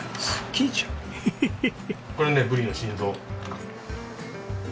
これねブリの心臓。